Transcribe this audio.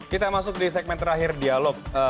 kita masuk di segmen terakhir dialog